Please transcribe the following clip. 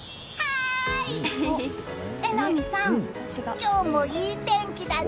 榎並さん、今日もいい天気だね。